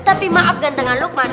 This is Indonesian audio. tapi maaf gantengan lukman